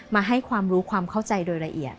มาให้ความรู้ความเข้าใจโดยละเอียด